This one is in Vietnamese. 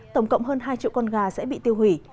tổng cộng hơn hai triệu con gà sẽ bị tiêu hủy